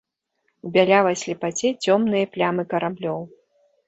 У бялявай слепаце цёмныя плямы караблёў.